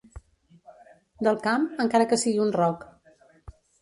Del camp, encara que sigui un roc.